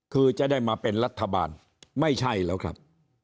คือจะได้มาเป็นรัฐบาลไม่ใช่แล้วครับ